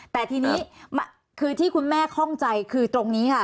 แต่ทีนี้คือที่คุณแม่คล่องใจคือตรงนี้ค่ะ